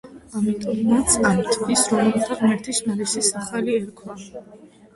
ამიტომაც ამ თვეს რომაელთა ღმერთის მარსის სახელი ერქვა.